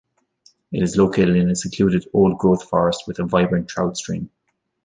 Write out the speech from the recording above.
It is located in a secluded old-growth forest with a vibrant trout stream.